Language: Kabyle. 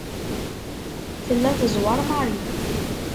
Tella tezweṛ Mary.